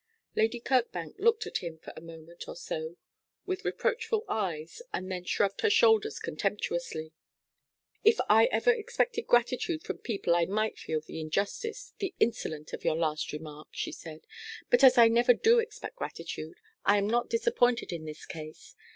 Lady Kirkbank looked at him for a moment or so with reproachful eyes, and then shrugged her shoulders contemptuously. 'If I ever expected gratitude from people I might feel the injustice the insolence of your last remark,' she said; 'but as I never do expect gratitude, I am not disappointed in this case.